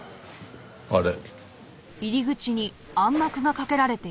あれ？